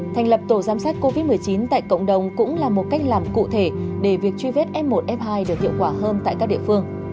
thành lập tổ giám sát covid một mươi chín tại cộng đồng cũng là một cách làm cụ thể để việc truy vết f một f hai được hiệu quả hơn tại các địa phương